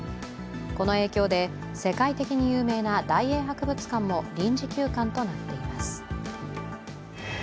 この影響で、世界的に有名な大英博物館も臨時休館となっています。